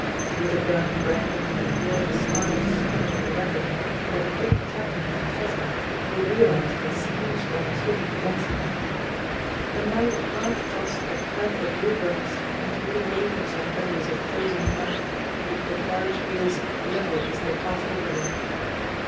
Through the brown bracken you could hear the startled scuttle of the rabbit, or the quick tapping of a pheasant, who had realised that schemes were on foot against him. A night of hard frost had turned the wheel ruts into little waves and billows of frozen mud, which the carriage wheels levelled as they passed over them.